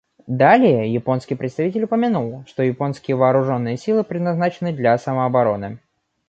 Далее японский представитель упомянул, что японские вооруженные силы предназначены для самообороны.